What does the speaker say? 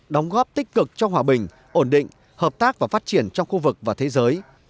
đóng góp tích cực cho hòa bình ổn định hợp tác và phát triển trong khu vực và thế giới